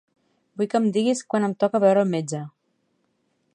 Vull que em diguis quan em toca veure al metge.